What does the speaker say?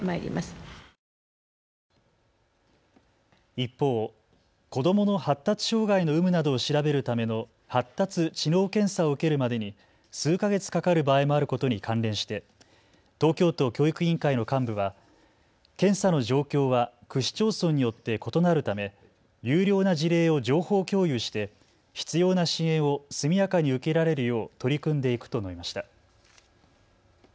一方、子どもの発達障害の有無などを調べるための発達・知能検査を受けるまでに数か月かかる場合もあることに関連して東京都教育委員会の幹部は検査の状況は区市町村によって異なるため優良な事例を情報共有して必要な支援を速やかに受けられるよう取り組んでいくと述べました。